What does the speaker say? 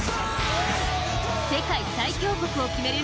世界最強国を決める